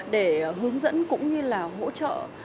để hướng dẫn cũng như là hỗ trợ